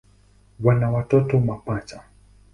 Wana watoto mapacha.